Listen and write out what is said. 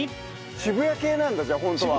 渋谷系なんだじゃあホントは。